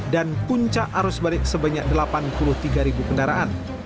dan punca arus balik sebanyak delapan puluh tiga ribu kendaraan